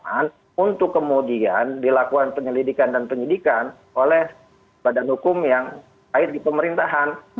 fakta fakta dalam satu ratus tiga puluh enam alaman untuk kemudian dilakukan penyelidikan dan penyidikan oleh badan hukum yang ait di pemerintahan